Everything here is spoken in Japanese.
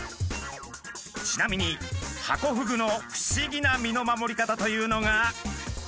ちなみにハコフグの不思議な身の守り方というのが。